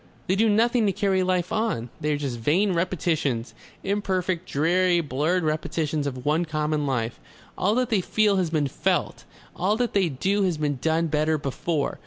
They do nothing to carry life on. They are just vain repetitions imperfect dreary, blurred repetitions of one common life. All that they feel has been felt, all that they do has been done better before.